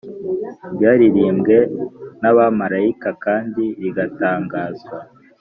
ryariririmbwe n’abamalayika kandi rigatangazwa